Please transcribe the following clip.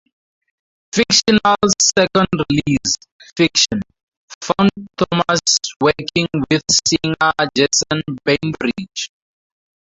Fictional's second release, Fiction, found Thomas working with singer Jason Bainbridge.